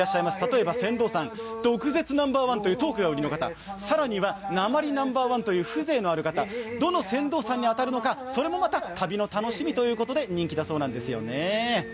例えば船頭さん毒舌トークが売りの方、更には、なまりナンバーワンという風情のある方、どの船頭さんに当たるのか、旅の楽しみということで人気だそうです。